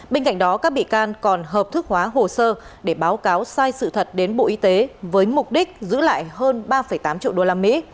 bên cạnh đó các bị can còn hợp thức hóa hồ sơ để báo cáo sai sự thật đến bộ y tế với mục đích giữ lại hơn ba tám triệu đô la mỹ